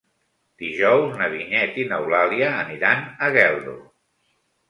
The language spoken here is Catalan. Dijous na Vinyet i n'Eulàlia aniran a Geldo.